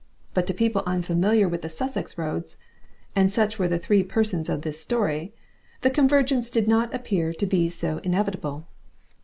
But to people unfamiliar with the Sussex roads and such were the three persons of this story the convergence did not appear to be so inevitable.